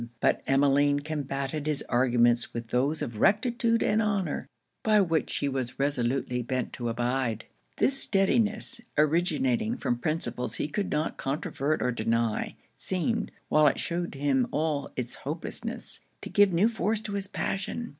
But Emmeline combated his arguments with those of rectitude and honour, by which she was resolutely bent to abide. This steadiness, originating from principles he could not controvert or deny, seemed, while it shewed him all its hopelessness, to give new force to his passion.